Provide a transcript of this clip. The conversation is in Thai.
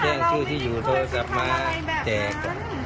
ชื่อที่อยู่โทรศัพท์มาแจก